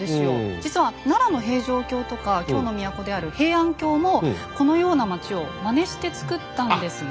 実は奈良の平城京とか京の都である平安京もこのような町をまねしてつくったんですね。